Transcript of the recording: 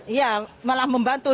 iya malah membantu